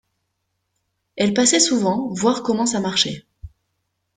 Elle passait souvent voir comment ça marchait